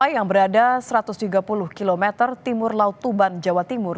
yang berada satu ratus tiga puluh km timur laut tuban jawa timur